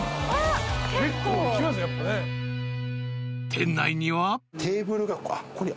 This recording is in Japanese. ［店内には］